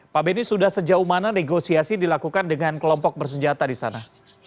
pak benny sudah sejauh mana negosiasi dilakukan dengan kelompok bersenjata di sana